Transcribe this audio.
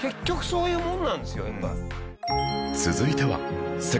結局そういうもんなんですよやっぱ。